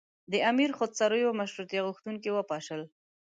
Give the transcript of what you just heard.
د امیر خودسریو مشروطیه غوښتونکي وپاشل.